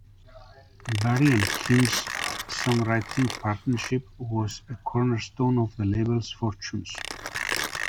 Barry and Kim's songwriting partnership was a cornerstone of the label's fortunes.